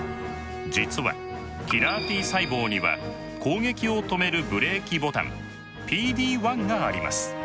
実はキラーＴ細胞には攻撃を止めるブレーキボタン「ＰＤ−１」があります。